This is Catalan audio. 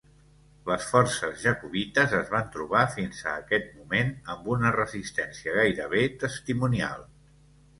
Les forces jacobites es van trobar fins a aquest moment amb una resistència gairebé testimonial.